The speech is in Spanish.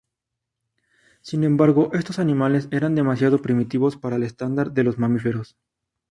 Sin embargo, estos animales eran demasiado primitivos para el estándar de los mamíferos.